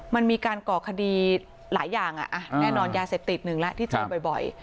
มันมีการก่อคดีหลายอย่างแน่นอนยาเสพติดหนึ่งแล้วที่เจอบ่อย